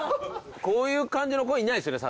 こういう感じの子いないっすよね